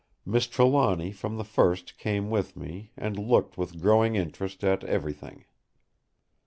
Miss Trelawny from the first came with me, and looked with growing interest at everything.